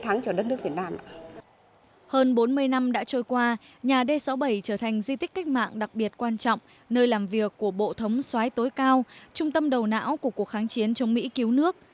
hơn bốn mươi năm đã trôi qua nhà d sáu mươi bảy trở thành di tích cách mạng đặc biệt quan trọng nơi làm việc của bộ thống xoái tối cao trung tâm đầu não của cuộc kháng chiến chống mỹ cứu nước